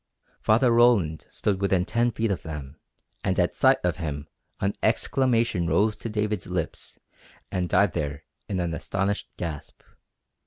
Father Roland stood within ten feet of them, and at sight of him an exclamation rose to David's lips and died there in an astonished gasp.